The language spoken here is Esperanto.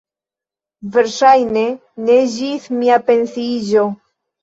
Verŝajne ne ĝis mia pensiiĝo.